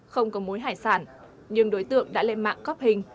không có mối hải sản nhưng đối tượng đã lên mạng góp hình